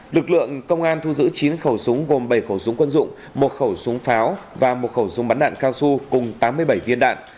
lực lượng công an thu giữ chín khẩu súng gồm bảy khẩu súng quân dụng một khẩu súng pháo và một khẩu súng bắn đạn cao su cùng tám mươi bảy viên đạn